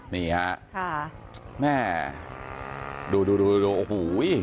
นี่ฮะดูดูดูโอ้โห